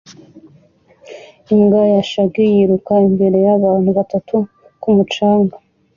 Imbwa ya shaggy yiruka imbere yabantu batatu ku mucanga